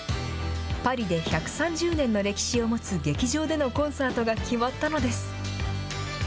パリで１３０年の歴史を持つ劇場でのコンサートが決まったのです。